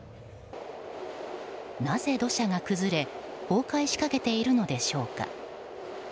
なぜ土砂が崩れ崩壊しかけているのでしょうか。